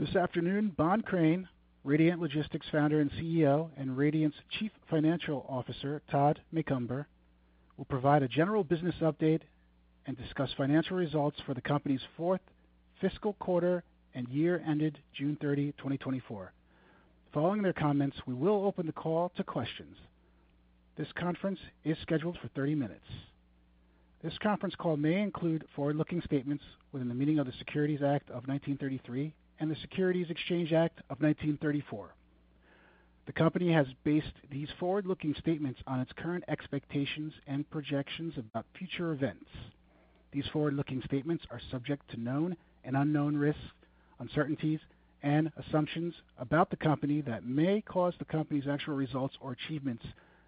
This afternoon, Bohn Crain, Radiant Logistics Founder and CEO, and Radiant's Chief Financial Officer, Todd Macomber, will provide a general business update and discuss financial results for the company's fourth fiscal quarter and year ended June 30, 2024. Following their comments, we will open the call to questions. This conference is scheduled for 30 minutes. This conference call may include forward-looking statements within the meaning of the Securities Act of 1933 and the Securities Exchange Act of 1934. The company has based these forward-looking statements on its current expectations and projections about future events. These forward-looking statements are subject to known and unknown risks, uncertainties, and assumptions about the company that may cause the company's actual results or achievements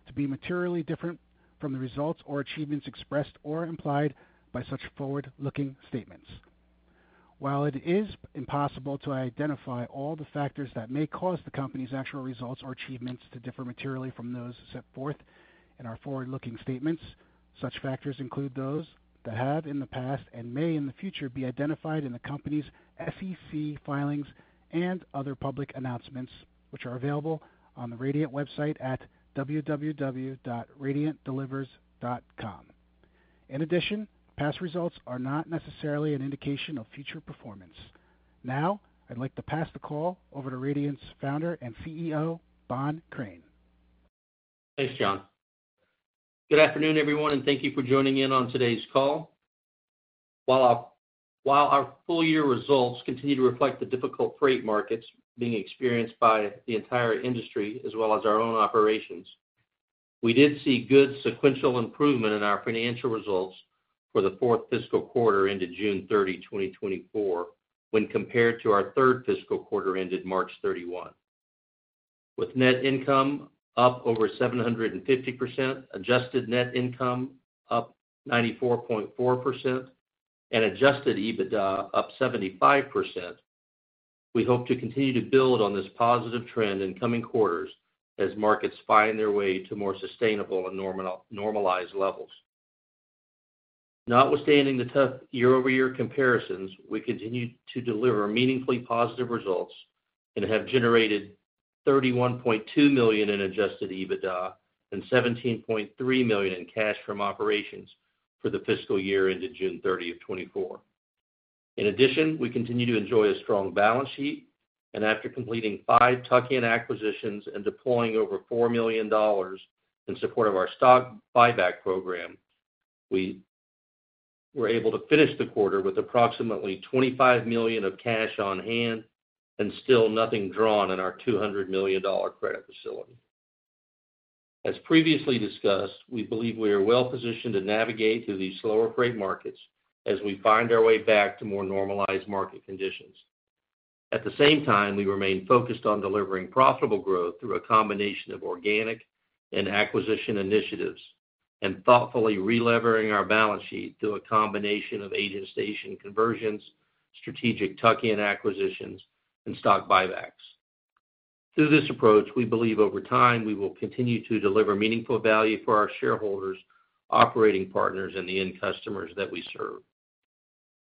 to be materially different from the results or achievements expressed or implied by such forward-looking statements. While it is impossible to identify all the factors that may cause the company's actual results or achievements to differ materially from those set forth in our forward-looking statements, such factors include those that have in the past and may in the future, be identified in the company's SEC filings and other public announcements, which are available on the Radiant website at www.radiantdelivers.com. In addition, past results are not necessarily an indication of future performance. Now, I'd like to pass the call over to Radiant's Founder and CEO, Bohn Crain. Thanks, John. Good afternoon, everyone, and thank you for joining in on today's call. While our full-year results continue to reflect the difficult freight markets being experienced by the entire industry as well as our own operations, we did see good sequential improvement in our financial results for the fourth fiscal quarter into June 30, 2024, when compared to our third fiscal quarter ended March 31. With net income up Adjusted Net Income up 94.4%, and Adjusted EBITDA up 75%, we hope to continue to build on this positive trend in coming quarters as markets find their way to more sustainable and normalized levels. Notwithstanding the tough year-over-year comparisons, we continued to deliver meaningfully positive results and have generated $31.2 million in Adjusted EBITDA and $17.3 million in cash from operations for the fiscal year ended June 30, 2024. In addition, we continue to enjoy a strong balance sheet, and after completing five tuck-in acquisitions and deploying over $4 million dollars in support of our stock buyback program, we were able to finish the quarter with approximately $25 million of cash on hand and still nothing drawn in our $200 million dollar credit facility. As previously discussed, we believe we are well-positioned to navigate through these slower freight markets as we find our way back to more normalized market conditions. At the same time, we remain focused on delivering profitable growth through a combination of organic and acquisition initiatives, and thoughtfully relevering our balance sheet through a combination of agent station conversions, strategic tuck-in acquisitions, and stock buybacks. Through this approach, we believe over time, we will continue to deliver meaningful value for our shareholders, operating partners, and the end customers that we serve.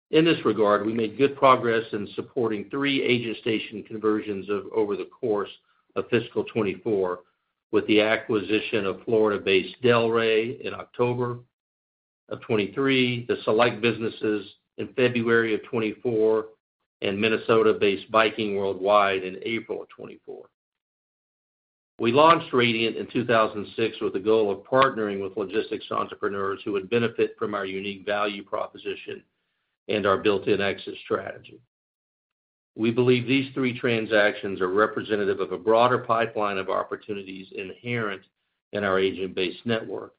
In this regard, we made good progress in supporting three agent station conversions over the course of fiscal 2024, with the acquisition of Florida-based Delray in October of 2023, the Select businesses in February of 2024, and Minnesota-based Viking Worldwide in April of 2024. We launched Radiant in 2006 with the goal of partnering with logistics entrepreneurs who would benefit from our unique value proposition and our built-in exit strategy. We believe these three transactions are representative of a broader pipeline of opportunities inherent in our agent-based network,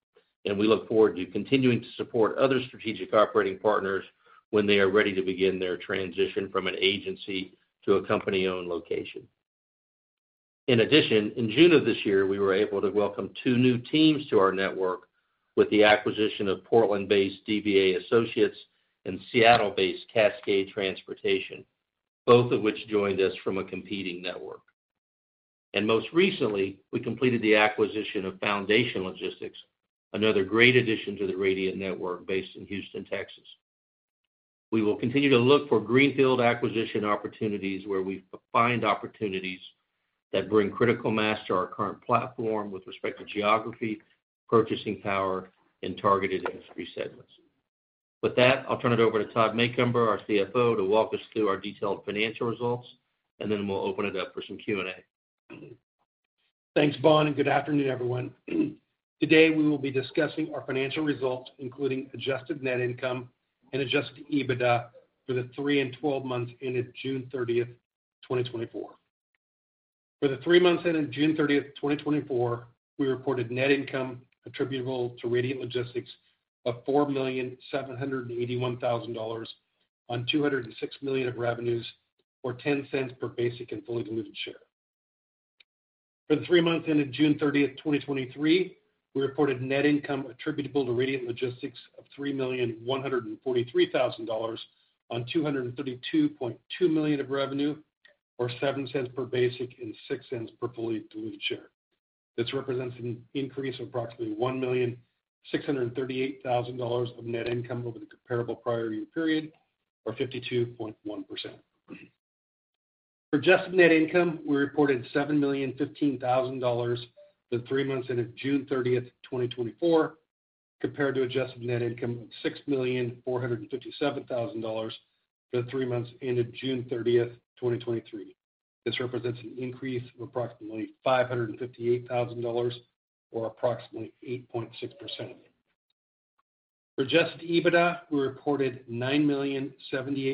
and we look forward to continuing to support other strategic operating partners when they are ready to begin their transition from an agency to a company-owned location. In addition, in June of this year, we were able to welcome two new teams to our network with the acquisition of Portland-based DBA Associates and Seattle-based Cascade Transportation, both of which joined us from a competing network. And most recently, we completed the acquisition of Foundation Logistics, another great addition to the Radiant Network based in Houston, Texas. We will continue to look for greenfield acquisition opportunities where we find opportunities that bring critical mass to our current platform with respect to geography, purchasing power, and targeted industry segments. With that, I'll turn it over to Todd Macomber, our CFO, to walk us through our detailed financial results, and then we'll open it up for some Q&A. Thanks, Bohn, and good afternoon, everyone. Today, we will be discussing our financial results, including Adjusted Net Income and Adjusted EBITDA for the three and 12 months ended June 30th, 2024. For the three months ended June 30th, 2024, we reported net income attributable to Radiant Logistics of $4,781,000 on $206 million of revenues, or $0.10 per basic and fully diluted share. For the three months ended June 30th, 2023, we reported net income attributable to Radiant Logistics of $3,143,000 on $232.2 million of revenue, or $0.07 per basic and $0.06 per fully diluted share. This represents an increase of approximately $1,638,000 of net income over the comparable prior year period, or 52.1%. For Adjusted Net Income, we reported $7,015,000 for the three months ended June 30th, 2024, compared to Adjusted Net Income of $6,457,000 for the three months ended June 30th, 2023. This represents an increase of approximately $558,000 or approximately 8.6%. For Adjusted EBITDA, we reported $9,078,000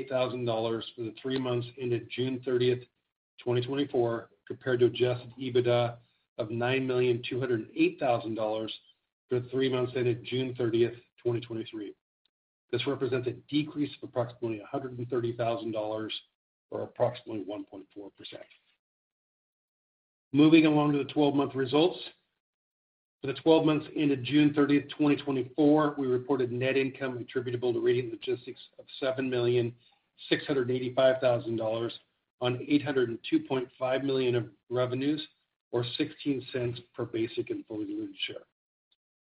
for the three months ended June 30th, 2024, compared to Adjusted EBITDA of $9,208,000 for the three months ended June 30th, 2023. This represents a decrease of approximately $130,000, or approximately 1.4%. Moving along to the 12-month results. For the 12 months ended June 30th, 2024, we reported net income attributable to Radiant Logistics of $7,685,000 on $802.5 million of revenues, or $0.16 per basic and fully diluted share.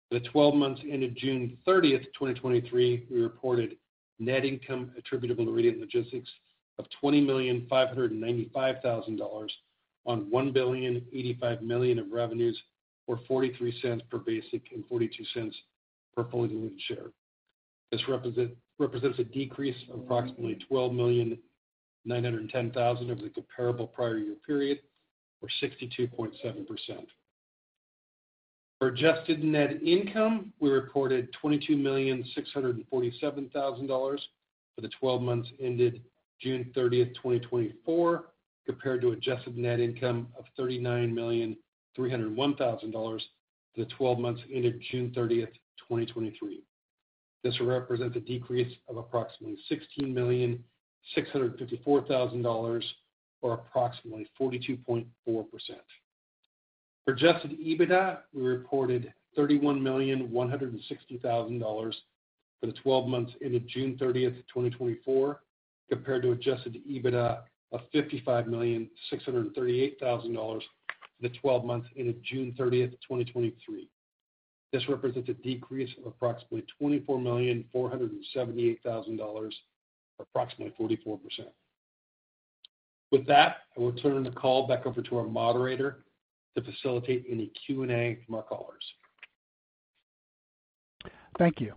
For the 12 months ended June 30th, 2023, we reported net income attributable to Radiant Logistics of $20,595,000 on $1,085,000,000 of revenues, or $0.43 per basic and $0.42 per fully diluted share. This represents a decrease of approximately $12,910,000 of the comparable prior year period, or 62.7%. Adjusted Net Income, we reported $22,647,000 for the 12 months ended June 30th, 2024, Adjusted Net Income of $39,301,000 for the 12 months ended June 30th, 2023. This will represent a decrease of approximately $16,654,000, or approximately 42.4%. For Adjusted EBITDA, we reported $31,160,000 for the 12 months ended June 30th, 2024, compared to Adjusted EBITDA of $55,638,000 for the 12 months ended June 30th, 2023. This represents a decrease of approximately $24,478,000, or approximately 44%. With that, I will turn the call back over to our moderator to facilitate any Q&A from our callers. Thank you.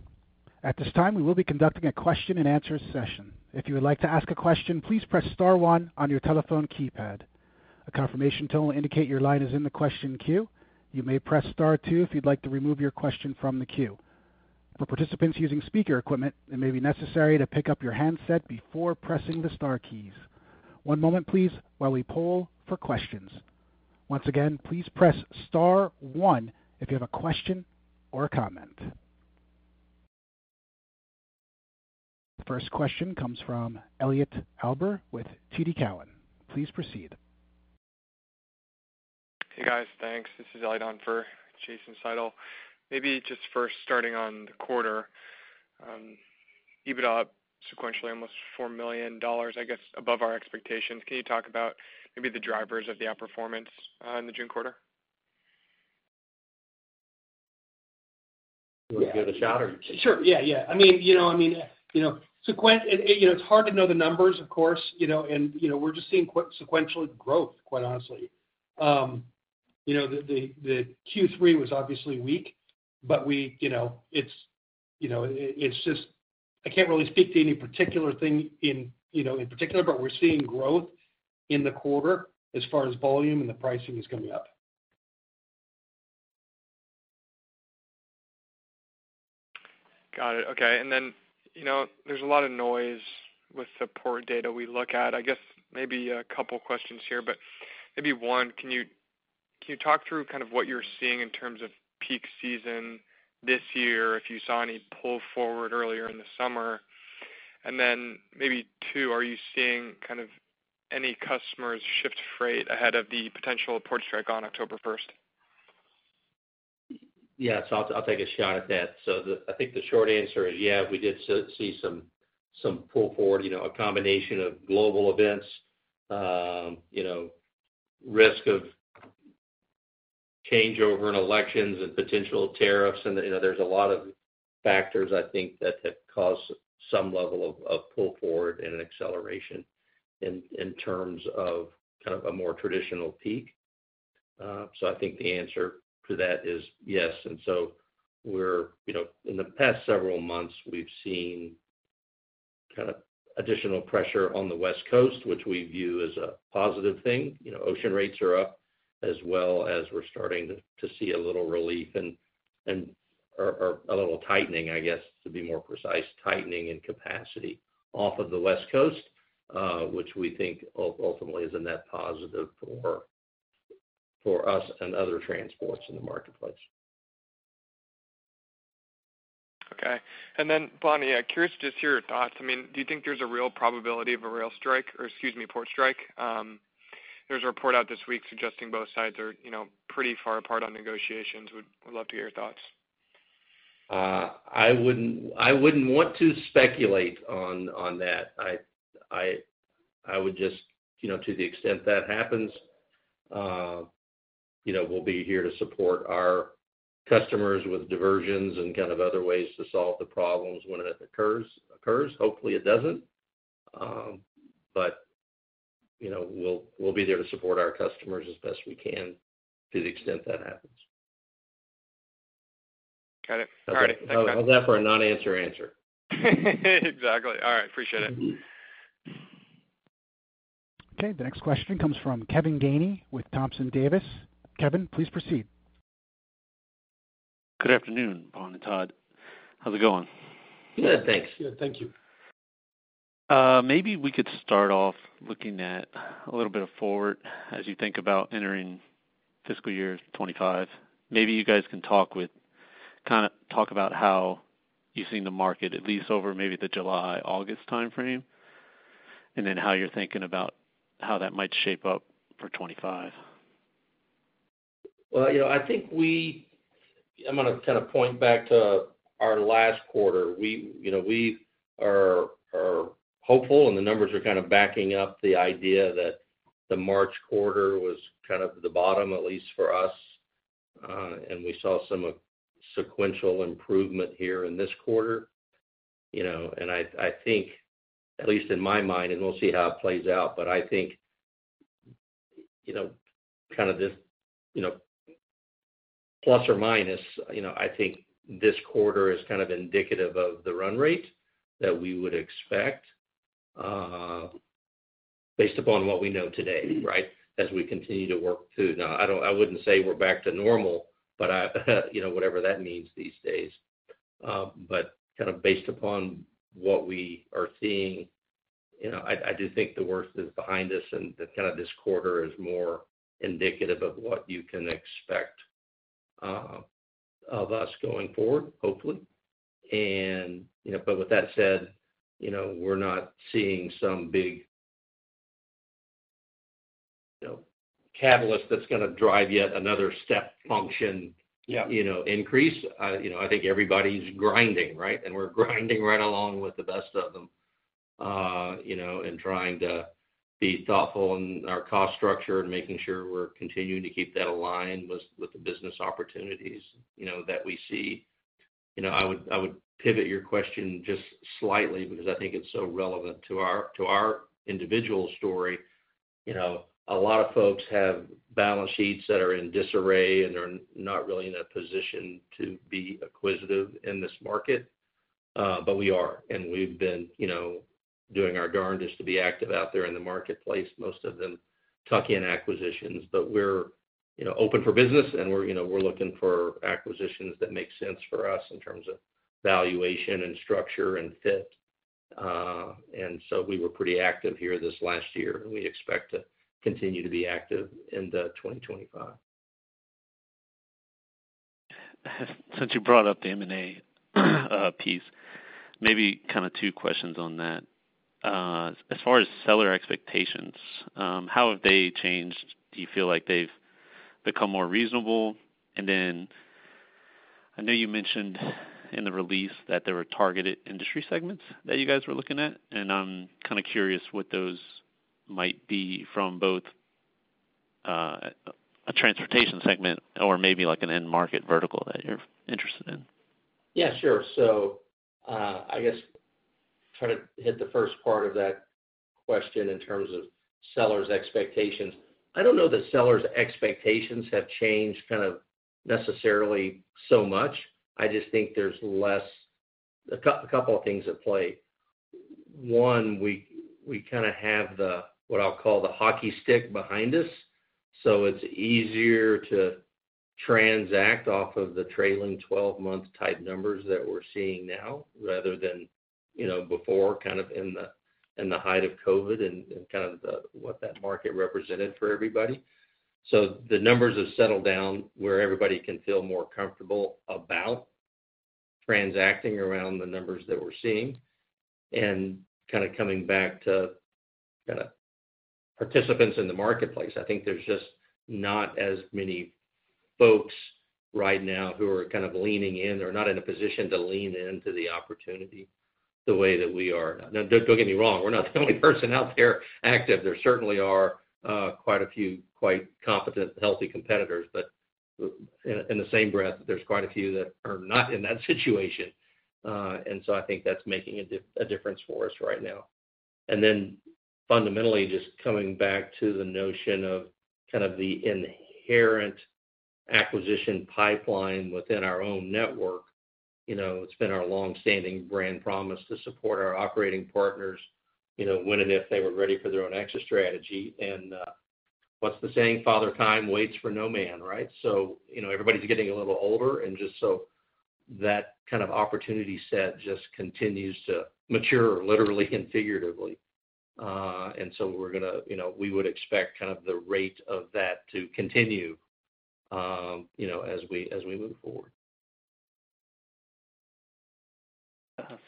At this time, we will be conducting a question-and-answer session. If you would like to ask a question, please press star one on your telephone keypad. A confirmation tone will indicate your line is in the question queue. You may press star two if you'd like to remove your question from the queue. For participants using speaker equipment, it may be necessary to pick up your handset before pressing the star keys. One moment please, while we poll for questions. Once again, please press star one if you have a question or a comment. The first question comes from Elliot Alper with TD Cowen. Please proceed. Hey, guys, thanks. This is Elliot Alper on for Jason Seidl. Maybe just first starting on the quarter, EBITDA up sequentially, almost $4 million, I guess, above our expectations. Can you talk about maybe the drivers of the outperformance in the June quarter? You want to give it a shot or...? Sure, yeah, yeah. I mean, you know, I mean, you know, it's hard to know the numbers, of course, you know, and, you know, we're just seeing quick sequential growth, quite honestly. You know, the Q3 was obviously weak, but we, you know, it's, you know, it, it's just I can't really speak to any particular thing in, you know, in particular, but we're seeing growth in the quarter as far as volume, and the pricing is coming up. Got it. Okay. And then, you know, there's a lot of noise with the port data we look at. I guess maybe a couple of questions here, but maybe one, can you talk through kind of what you're seeing in terms of peak season this year, if you saw any pull forward earlier in the summer? And then maybe two, are you seeing kind of any customers shift freight ahead of the potential port strike on October first? Yes, I'll take a shot at that. So, I think the short answer is, yeah, we did see some pull forward, you know, a combination of global events, you know, risk of changeover in elections and potential tariffs. And, you know, there's a lot of factors, I think, that have caused some level of pull forward and an acceleration in terms of kind of a more traditional peak. So, I think the answer to that is yes. And so we're, you know, in the past several months, we've seen kind of additional pressure on the West Coast, which we view as a positive thing. You know, ocean rates are up, as well as we're starting to see a little relief or a little tightening, I guess, to be more precise, tightening in capacity off of the West Coast, which we think ultimately is a net positive for us and other transports in the marketplace. Okay. And then, Bohn, I'm curious to just hear your thoughts. I mean, do you think there's a real probability of a rail strike, or excuse me, port strike? There was a report out this week suggesting both sides are, you know, pretty far apart on negotiations. Would love to hear your thoughts.... I wouldn't want to speculate on that. I would just, you know, to the extent that happens, you know, we'll be here to support our customers with diversions and kind of other ways to solve the problems when it occurs. Hopefully, it doesn't, but you know, we'll be there to support our customers as best we can to the extent that happens. Got it. All right. Thanks, guys. How's that for a non-answer answer? Exactly. All right, appreciate it. Okay, the next question comes from Kevin Gainey with Thompson Davis. Kevin, please proceed. Good afternoon, Bohn and Todd. How's it going? Good, thanks. Good, thank you. Maybe we could start off looking a little bit forward as you think about entering fiscal year 2025. Maybe you guys can kind of talk about how you've seen the market, at least over maybe the July, August timeframe, and then how you're thinking about how that might shape up for 2025? You know, I think we. I'm gonna kind of point back to our last quarter. We, you know, we are hopeful, and the numbers are kind of backing up the idea that the March quarter was kind of the bottom, at least for us, and we saw some sequential improvement here in this quarter. You know, and I think, at least in my mind, and we'll see how it plays out, but I think, you know, kind of this, you know, plus or minus, you know, I think this quarter is kind of indicative of the run rate that we would expect, based upon what we know today, right? As we continue to work through. Now, I don't. I wouldn't say we're back to normal, but I, you know, whatever that means these days. But kind of based upon what we are seeing, you know, I do think the worst is behind us, and that kind of this quarter is more indicative of what you can expect of us going forward, hopefully, and you know, but with that said, you know, we're not seeing some big, you know, catalyst that's gonna drive yet another step function- Yeah... you know, increase. You know, I think everybody's grinding, right? And we're grinding right along with the best of them, you know, and trying to be thoughtful in our cost structure and making sure we're continuing to keep that aligned with, with the business opportunities, you know, that we see. You know, I would, I would pivot your question just slightly because I think it's so relevant to our, to our individual story. You know, a lot of folks have balance sheets that are in disarray and are not really in a position to be acquisitive in this market, but we are, and we've been, you know, doing our darndest to be active out there in the marketplace, most of them tuck-in acquisitions. But we're, you know, open for business, and we're, you know, we're looking for acquisitions that make sense for us in terms of valuation and structure and fit. And so we were pretty active here this last year, and we expect to continue to be active into 2025. Since you brought up the M&A piece, maybe kind of two questions on that. As far as seller expectations, how have they changed? Do you feel like they've become more reasonable? And then I know you mentioned in the release that there were targeted industry segments that you guys were looking at, and I'm kind of curious what those might be from both, a transportation segment or maybe like an end-market vertical that you're interested in. Yeah, sure. So, I guess try to hit the first part of that question in terms of sellers' expectations. I don't know that sellers' expectations have changed kind of necessarily so much. I just think there's less... A couple of things at play. One, we kind of have the, what I'll call the hockey stick behind us, so it's easier to transact off of the trailing 12-month type numbers that we're seeing now, rather than, you know, before, kind of in the height of COVID and kind of the what that market represented for everybody. So the numbers have settled down where everybody can feel more comfortable about transacting around the numbers that we're seeing. And kind of coming back to kind of participants in the marketplace, I think there's just not as many folks right now who are kind of leaning in or not in a position to lean into the opportunity the way that we are. Now, don't, don't get me wrong, we're not the only person out there active. There certainly are quite a few quite competent, healthy competitors, but in, in the same breath, there's quite a few that are not in that situation. And so I think that's making a difference for us right now. And then fundamentally, just coming back to the notion of kind of the inherent acquisition pipeline within our own network. You know, it's been our long-standing brand promise to support our operating partners, you know, when and if they were ready for their own exit strategy. And what's the saying? Father time waits for no man, right? So you know, everybody's getting a little older and just so that kind of opportunity set just continues to mature, literally and figuratively. And so we're gonna, you know, we would expect kind of the rate of that to continue, you know, as we move forward. ...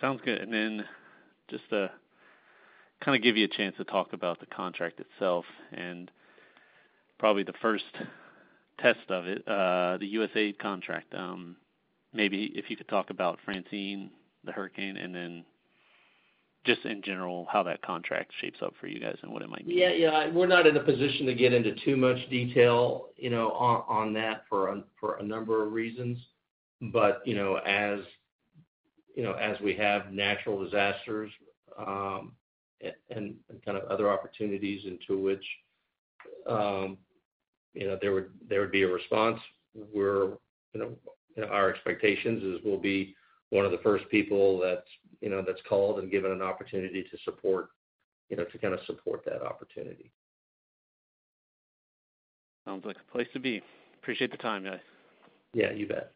Sounds good. And then just to kind of give you a chance to talk about the contract itself and probably the first test of it, the USAID contract. Maybe if you could talk about Francine, the hurricane, and then just in general, how that contract shapes up for you guys and what it might mean. Yeah, yeah. We're not in a position to get into too much detail, you know, on that for a number of reasons. But, you know, as we have natural disasters and kind of other opportunities into which, you know, there would be a response, we're, you know, our expectations is we'll be one of the first people that's, you know, that's called and given an opportunity to support, you know, to kind of support that opportunity. Sounds like the place to be. Appreciate the time, guys. Yeah, you bet.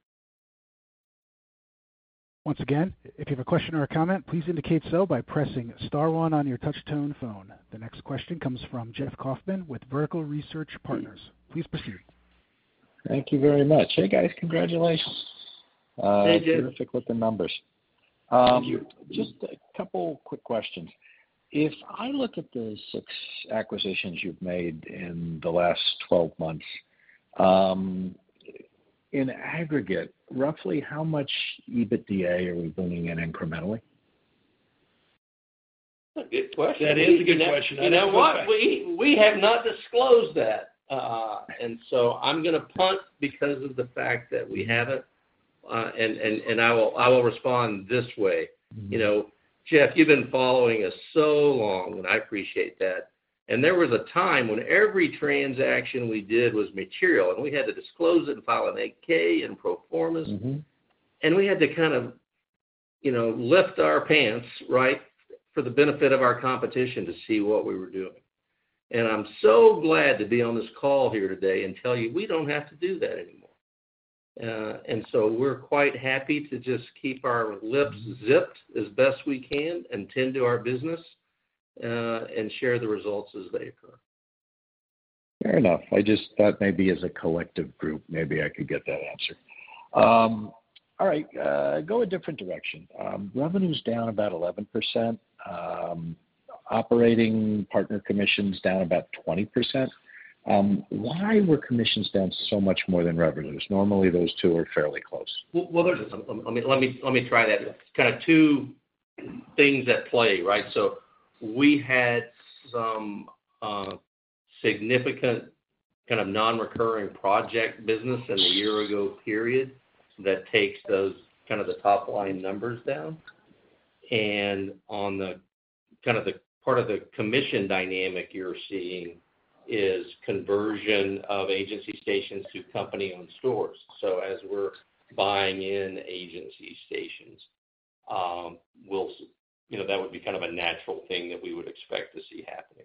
Once again, if you have a question or a comment, please indicate so by pressing star one on your touch tone phone. The next question comes from Jeff Kauffman with Vertical Research Partners. Please proceed. Thank you very much. Hey, guys, congratulations. Hey, Jeff. Terrific with the numbers. Thank you. Just a couple quick questions. If I look at the six acquisitions you've made in the last 12 months, in aggregate, roughly how much EBITDA are we bringing in incrementally? That's a good question. That is a good question. You know what? We have not disclosed that. And so I'm going to punt because of the fact that we haven't. And I will respond this way. Mm-hmm. You know, Jeff, you've been following us so long, and I appreciate that, and there was a time when every transaction we did was material, and we had to disclose it and file an 8-K and pro formas. Mm-hmm. And we had to kind of, you know, lift our pants, right, for the benefit of our competition to see what we were doing. And I'm so glad to be on this call here today and tell you we don't have to do that anymore. And so we're quite happy to just keep our lips zipped as best we can and tend to our business, and share the results as they occur. Fair enough. I just thought maybe as a collective group, maybe I could get that answer. All right, go a different direction. Revenue's down about 11%. Operating partner commission's down about 20%. Why were commissions down so much more than revenues? Normally, those two are fairly close. There's some. Let me try that. Kind of two things at play, right? So we had some significant kind of non-recurring project business in the year ago period that takes those kind of the top line numbers down. And on the kind of the part of the commission dynamic you're seeing is conversion of agency stations to company-owned stores. So as we're buying in agency stations, we'll, you know, that would be kind of a natural thing that we would expect to see happening.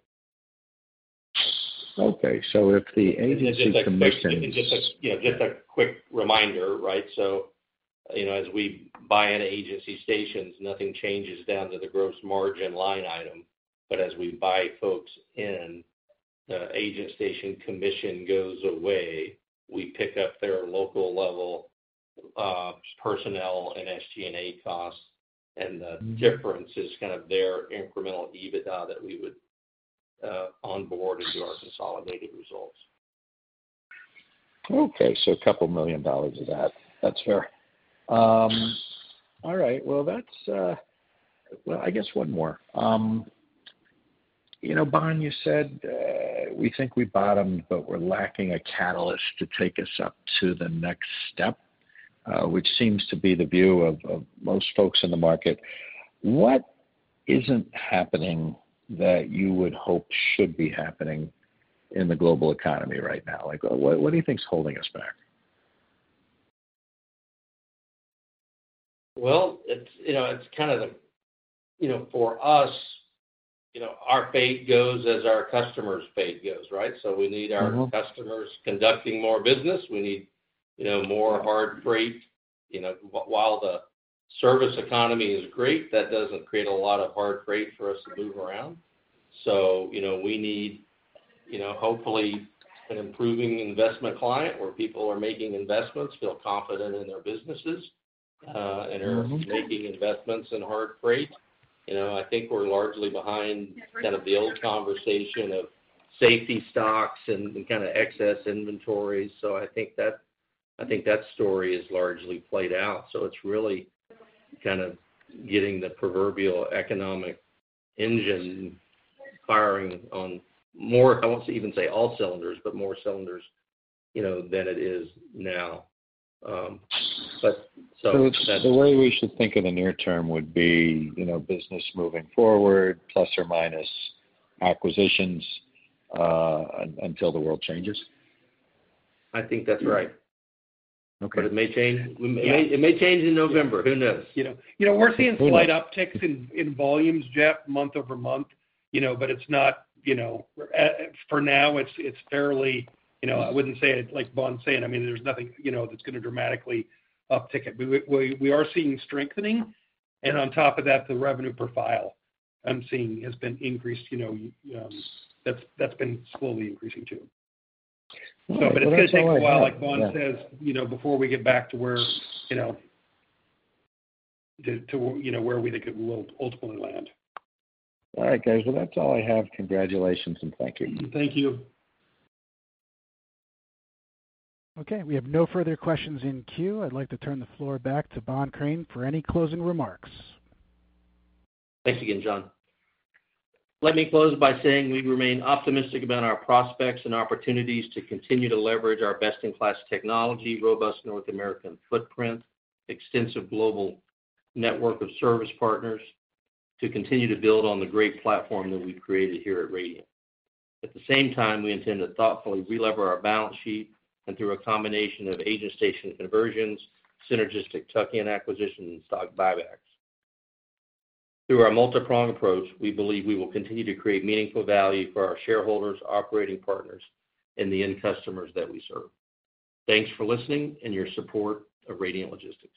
Okay, so if the agency commissions- Just a, yeah, just a quick reminder, right? So, you know, as we buy in agency stations, nothing changes down to the gross margin line item. But as we buy folks in, the agent station commission goes away. We pick up their local level personnel and SG&A costs, and the difference is kind of their incremental EBITDA that we would onboard into our consolidated results. Okay. So a couple million dollars of that. That's fair. All right. Well, that's... Well, I guess one more. You know, Bohn, you said we think we bottomed, but we're lacking a catalyst to take us up to the next step, which seems to be the view of most folks in the market. What isn't happening that you would hope should be happening in the global economy right now? Like, what do you think is holding us back? It's, you know, it's kind of, you know, for us, you know, our fate goes as our customers' fate goes, right? Mm-hmm. So we need our customers conducting more business. We need, you know, more hard freight. You know, while the service economy is great, that doesn't create a lot of hard freight for us to move around. So, you know, we need, you know, hopefully an improving investment climate, where people are making investments, feel confident in their businesses. Mm-hmm... and are making investments in hard freight. You know, I think we're largely behind kind of the old conversation of safety stocks and kind of excess inventory. So I think that story is largely played out. So it's really kind of getting the proverbial economic engine firing on more. I won't even say all cylinders, but more cylinders, you know, than it is now. But so- So the way we should think of the near term would be, you know, business moving forward, plus or minus acquisitions, until the world changes? I think that's right. Okay. but it may change. It may, it may change in November. Who knows? You know, we're seeing slight upticks in volumes, Jeff, month-over-month, you know, but it's not, you know, for now, it's fairly. You know, I wouldn't say, like Bohn's saying, I mean, there's nothing, you know, that's going to dramatically uptick it. We are seeing strengthening, and on top of that, the revenue per file I'm seeing has been increased. You know, that's been slowly increasing, too. Okay. But it's going to take a while, like Bohn says, you know, before we get back to where, you know, to where we think it will ultimately land. All right, guys. Well, that's all I have. Congratulations and thank you. Thank you. Okay, we have no further questions in queue. I'd like to turn the floor back to Bohn Crain for any closing remarks. Thanks again, John. Let me close by saying we remain optimistic about our prospects and opportunities to continue to leverage our best-in-class technology, robust North American footprint, extensive global network of service partners, to continue to build on the great platform that we've created here at Radiant. At the same time, we intend to thoughtfully re-lever our balance sheet, and through a combination of agent station conversions, synergistic tuck-in acquisitions, and stock buybacks. Through our multipronged approach, we believe we will continue to create meaningful value for our shareholders, operating partners, and the end customers that we serve. Thanks for listening and your support of Radiant Logistics.